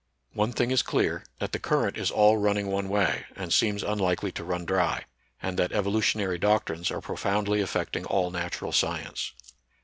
One thing is clear, that the current is all running one way, and seems unlikely to run dry ; and that evolutionary doctrines are profoundly affecting all natural science.